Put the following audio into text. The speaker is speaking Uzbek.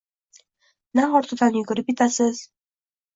Na ortidan yugurib yetasiz.